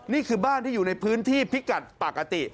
นี่คือบ้านที่อยู่ในพื้นที่พิกัดปกติ